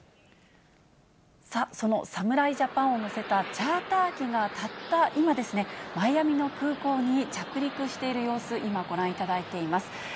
その侍ジャパンを乗せたチャーター機が、たった今、マイアミの空港に着陸している様子、今、ご覧いただいています。